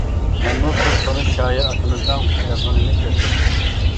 مەنمۇ بىر تونۇش بىر شائىر ئاكىمىزنىڭ يازغىنىنى كۆرگەن.